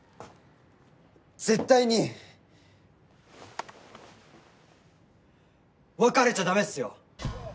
絶対に別れちゃダメっすよ！